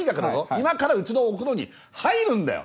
今から家のお風呂に入るんだよ！